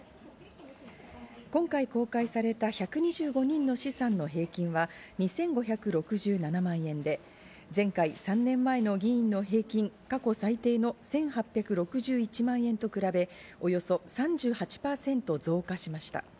今回公開された１２５人の資産の平均は２５６７万円で、前回３年前の議員の平均過去最低の１８６１万円と比べ、およそ３８％増加しました。